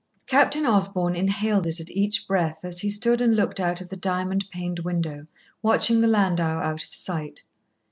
Captain Osborn inhaled it at each breath as he stood and looked out of the diamond paned window, watching the landau out of sight.